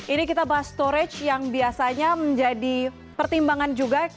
ini kita bahas storage yang biasanya menjadi pertimbangan juga